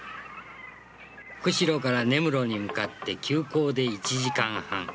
釧路から根室に向かって急行で１時間半。